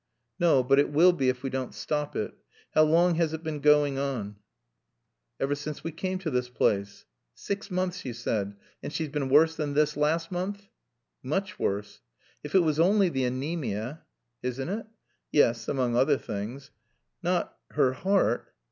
"No. But it will be if we don't stop it. How long has it been going on?" "Ever since we came to this place." "Six months, you said. And she's been worse than this last month?" "Much worse." "If it was only the anæmia " "Isn't it?" "Yes among other things." "Not her heart?"